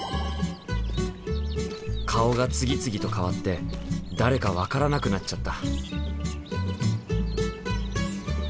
顔が次々と変わって誰か分からなくなっちゃった。